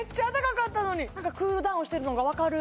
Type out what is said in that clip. はい何かクールダウンしてるのが分かる